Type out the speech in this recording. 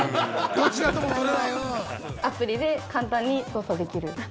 ◆アプリで簡単に操作できる？